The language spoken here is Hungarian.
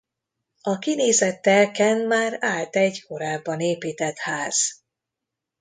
A kinézett telken már állt egy korábban épített ház.